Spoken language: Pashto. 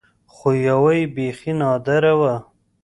خو يوه يې بيخي نادره وه.